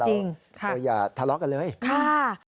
จริงค่ะค่ะค่ะจริงค่ะค่ะค่ะ